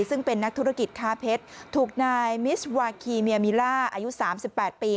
ซึ่งเป็นนักธุรกิจค้าเพชรถูกนายมิสวาคีเมียมิล่าอายุ๓๘ปี